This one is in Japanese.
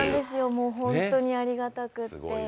本当にありがたくって。